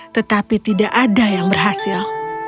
tetapi tidak ada yang berhasil